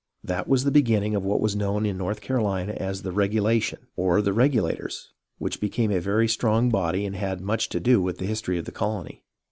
That was the beginning of what was known in North Caro lina as The Regulation, or The Regulators, which became a very strong body and had much to do with the history of the colony.